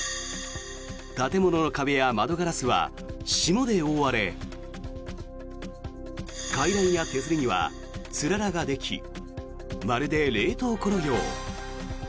建物の壁や窓ガラスは霜で覆われ階段や手すりにはつららができまるで冷凍庫のよう。